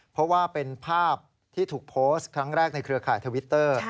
เพราะว่าเป็นภาพที่ถูกโพสต์ครั้งแรกในเครือข่ายทวิตเตอร์